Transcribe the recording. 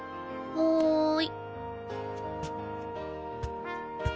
はい！